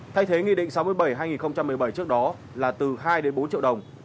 thay thế nghị định sáu mươi bảy hai nghìn một mươi bảy trước đó là từ hai đến bốn triệu đồng